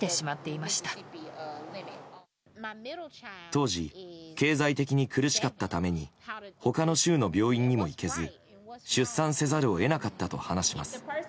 当時経済的に苦しかったために他の州の病院にも行けず出産せざるを得なかったと話します。